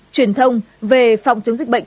truyền thông về phòng chống dịch bệnh